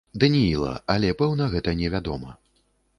Данііла, але пэўна гэта не вядома.